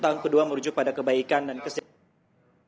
tahun kedua merujuk pada kebaikan dan kesejahteraan